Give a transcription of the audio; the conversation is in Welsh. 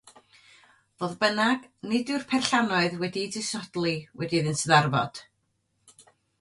Fodd bynnag, nid yw'r perllannoedd wedi'u disodli wedi iddynt ddarfod.